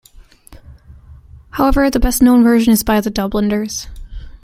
However the best-known version is by The Dubliners.